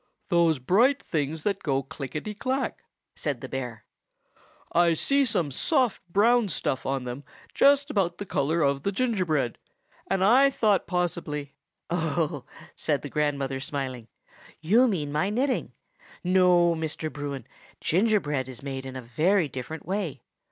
"Those bright things that go clickety clack," said the bear. "I see some soft brown stuff on them, just about the color of the gingerbread, and I thought possibly—" "Oh," said the grandmother, smiling, "you mean my knitting. No, Mr. Bruin, gingerbread is made in a very different way.